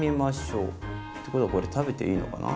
ってことはこれ食べていいのかな？